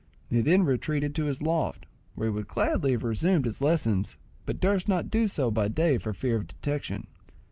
He then retreated to his loft, where he would gladly have resumed his lessons, but durst not do so by day for fear of detection.